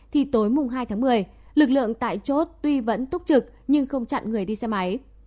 thì tối mùng hai tháng một mươi lực lượng tại chốt tuy vẫn túc trực nhưng không chặn người đi xe máy